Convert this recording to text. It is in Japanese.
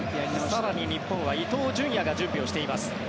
更に日本は伊東純也が準備をしています。